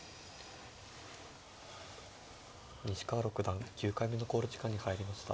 西川六段９回目の考慮時間に入りました。